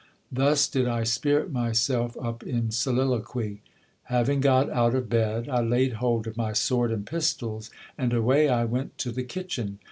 Thus did I spirit myself up in soliloquy. Having got out of bed, I laid hold of my sword and pistols ; and away I went to the kitchen.